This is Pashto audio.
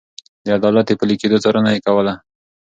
د عدالت د پلي کېدو څارنه يې کوله.